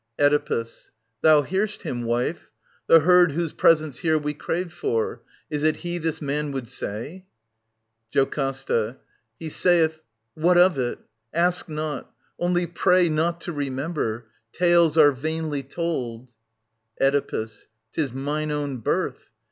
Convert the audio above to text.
Oedipus. Thou hear'st him, wife. The herd whose presence here Wc craved for, is it he this man would say ? JoCASTA. He saith ... What of it ? Ask not ; only pray Not to remember. ... Tales are vainly told. Oedipus. Tis mine own birth.